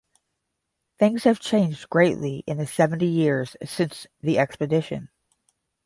Things have changed greatly in the seventy years since the expedition.